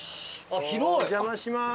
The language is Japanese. お邪魔します。